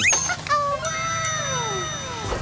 อ้าวมาก